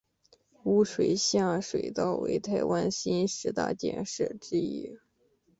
污水下水道为台湾新十大建设之一。